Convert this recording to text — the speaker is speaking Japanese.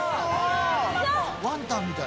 ワンタンみたい！